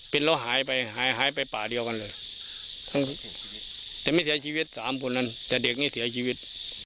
เป็นแล้วหายไปหายหายไปป่าเดียวกันเลยแต่ไม่เสียชีวิตสามคนนั้นแต่เด็กนี่เสียชีวิต